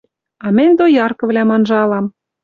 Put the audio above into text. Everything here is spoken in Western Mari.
А мӹнь дояркывлӓм анжалам.